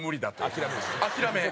諦め。